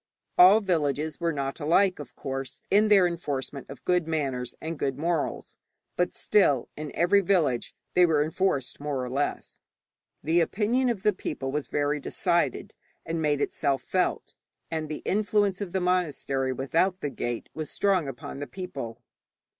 All villages were not alike, of course, in their enforcement of good manners and good morals, but, still, in every village they were enforced more or less. The opinion of the people was very decided, and made itself felt, and the influence of the monastery without the gate was strong upon the people.